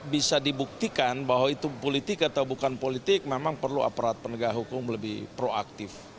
bisa dibuktikan bahwa itu politik atau bukan politik memang perlu aparat penegak hukum lebih proaktif